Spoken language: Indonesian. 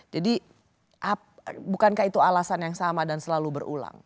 jadi bukankah itu alasan yang sama dan selalu berulang